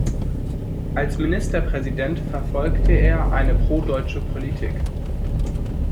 Als Ministerpräsident verfolgte er eine Pro-Deutsche Politik.